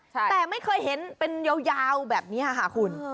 แต่ไม่เคยเห็นเป็นยาวแบบนี้ค่ะคุณ